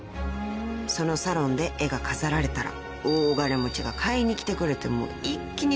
［そのサロンで絵が飾られたら大金持ちが買いに来てくれて一気に生活が変わります］